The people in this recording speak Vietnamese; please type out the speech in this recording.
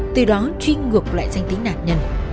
từ đó truy ngược lại danh tính nạn nhân